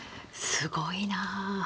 すごいなあ。